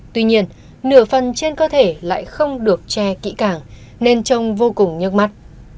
tuy nhiên nửa phần trên cơ thể lại không được che kỹ càng nên trông vô cùng nhức mắt